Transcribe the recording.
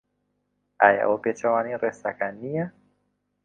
ئایا ئەوە پێچەوانەی ڕێساکان نییە؟